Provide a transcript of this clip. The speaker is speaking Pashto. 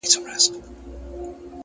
پرمختګ جرئت غواړي.!